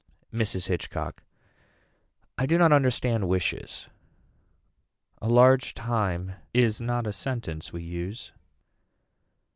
Mrs. Hitchcock. I do not understand wishes. A large time is not a sentence we use.